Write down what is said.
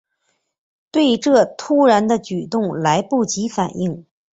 对这突然的举动来不及反应